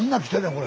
これ。